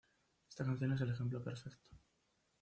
Esta canción es el ejemplo perfecto".